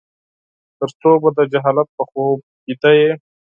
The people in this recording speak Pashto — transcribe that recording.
ترڅو به د جهالت په خوب ويده يې ؟